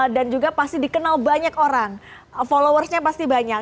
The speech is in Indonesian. dan juga pasti dikenal banyak orang followersnya pasti banyak